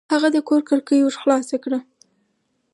هغه د کور کړکۍ ورو خلاصه کړه.